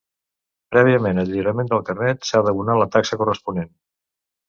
Prèviament al lliurament del carnet s'ha d'abonar la taxa corresponent.